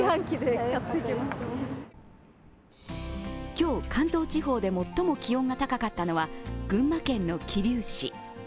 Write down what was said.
今日、関東地方で最も気温が高かったのは群馬県の桐生市。